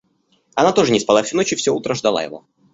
Она тоже не спала всю ночь и всё утро ждала его.